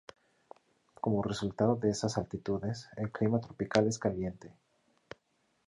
Como resultado de esas altitudes, el clima tropical es caliente.